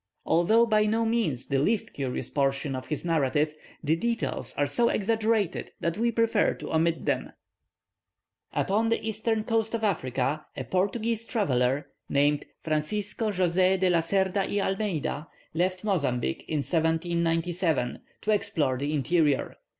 Although by no means the least curious portion of his narrative, the details are so exaggerated that we prefer to omit them. Upon the eastern coast of Africa, a Portuguese traveller, named Fransisco José de Lacerda y Almeida, left Mozambique in 1797, to explore the interior.